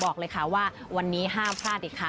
บอกเลยค่ะว่าวันนี้ห้ามพลาดอีกค่ะ